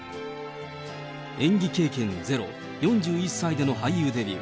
演技経験ゼロ、４１歳での俳優デビュー。